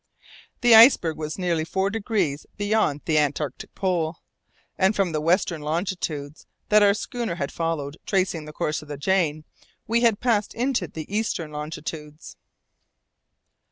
The iceberg was nearly four degrees beyond the antarctic pole, and from the western longitudes that our schooner had followed tracing the course of the Jane, we had passed into the eastern longitudes.